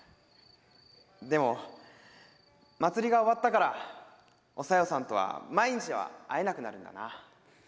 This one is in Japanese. でも祭りが終わったからお小夜さんとは毎日は会えなくなるんだな。